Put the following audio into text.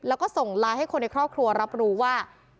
แล้วก็ส่งไลน์ให้คนในครอบครัวรับรู้ว่า